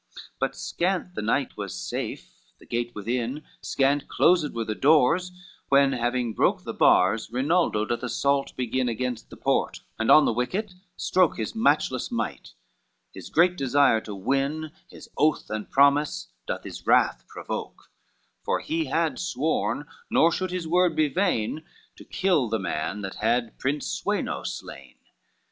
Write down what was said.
XLIX But scant the knight was safe the gate within, Scant closed were the doors, when having broke The bars, Rinaldo doth assault begin Against the port, and on the wicket stroke His matchless might, his great desire to win, His oath and promise, doth his wrath provoke, For he had sworn, nor should his word be vain, To kill the man that had Prince Sweno slain.